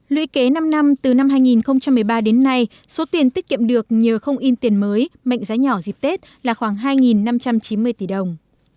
lũy kế năm năm từ năm hai nghìn một mươi ba đến nay số tiền tiết kiệm được nhờ không in tiền mới mệnh giá nhỏ dịp tết là khoảng hai năm trăm chín mươi tỷ đồng